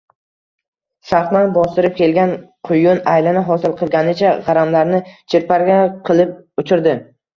Sharqdan bostirib kelgan quyun aylana hosil qilganicha gʻaramlarni chirpirak qilib uchirdi